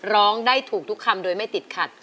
ร้องได้ถูกทุกคำโดยไม่ติดขัด